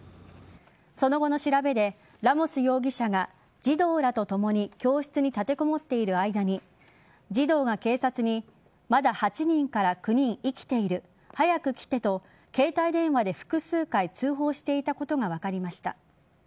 その後の調べで、ラモス容疑者が児童らとともに教室に立てこもっている間に児童が警察にまだ８人から９人生きている早く来てと携帯電話で複数回通報していたことが分かりました。